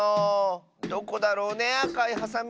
どこだろうねあかいハサミ。